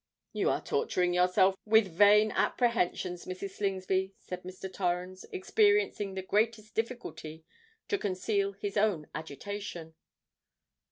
"You are torturing yourself with vain apprehensions, Mrs. Slingsby," said Mr. Torrens, experiencing the greatest difficulty to conceal his own agitation.